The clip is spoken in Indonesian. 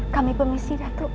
kami permisi datuk